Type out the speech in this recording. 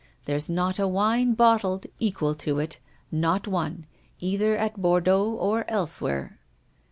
There's not a wine bottled equal to it not one, either at Bordeaux or elsewhere."